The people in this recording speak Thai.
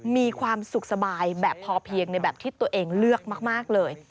มีความสุขสบายแบบพอเพียงในแบบที่ตัวเองเลือกมากเลย